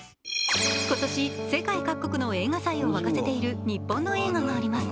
今年、世界各国の映画祭を沸かせている日本映画があります。